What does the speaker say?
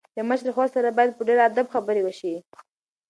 له مشرې خور سره باید په ډېر ادب خبرې وشي.